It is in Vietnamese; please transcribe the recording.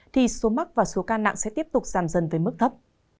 thì số mắc và số ca nặng sẽ tiếp tục giảm dần về mức thấp